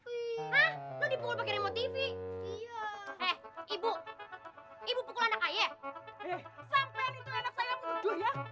hah di pukul pakai remote tv eh ibu ibu pukul anak kaya eh sampai itu enak saya muter ya